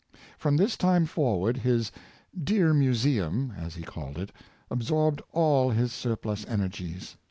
From this time forward, his '^ dear museum, ' as he called it, absorbed all his surplus energies.